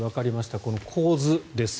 この構図です。